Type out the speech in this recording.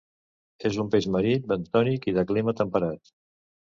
És un peix marí, bentònic i de clima temperat.